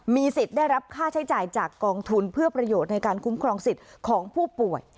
มีสิทธิ์ได้รับค่าใช้จ่ายจากกองทุนเพื่อประโยชน์ในการคุ้มครองสิทธิ์ของผู้ป่วย